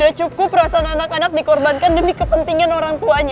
sudah cukup perasaan anak anak dikorbankan demi kepentingan orang tuanya